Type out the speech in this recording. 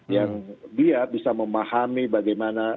yang dia bisa memahami bagaimana